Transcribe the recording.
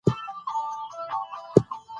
د مخ جېب د اسنادو او قلم ښه ځای دی.